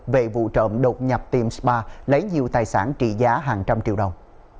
về vụ trộm đột nhập tiệm spa lấy nhiều tài sản trị giá hàng trăm triệu đồng